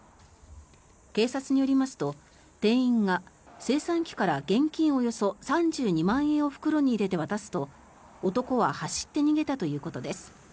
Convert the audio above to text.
警察によりますと店員が精算機から現金およそ３２万円を袋に入れて渡すと男は走って逃げたということです。